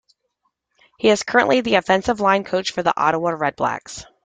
He is currently the offensive line coach for the Ottawa Redblacks.